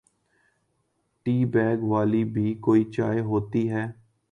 T bag والی بھی کوئی چائے ہوتی ہے؟